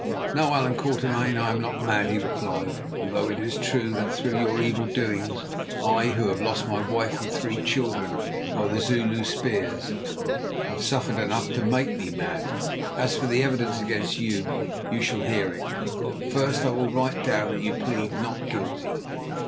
"No, Allan Quatermain, I am not mad," he replied, "although it is true that through your evil doings I, who have lost my wife and three children by the Zulu spears, have suffered enough to make me mad. As for the evidence against you, you shall hear it. But first I will write down that you plead Not guilty."